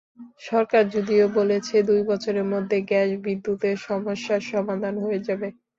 সরকার যদিও বলেছে, দুই বছরের মধ্যে গ্যাস-বিদ্যুতের সমস্যার সমাধান হয়ে যাবে।